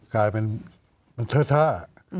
กลายเป็นมันเทอร์ท่า